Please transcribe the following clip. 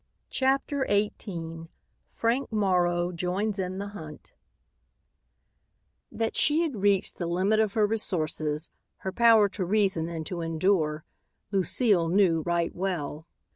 CHAPTER XVIII FRANK MORROW JOINS IN THE HUNT That she had reached the limit of her resources, her power to reason and to endure, Lucile knew right well.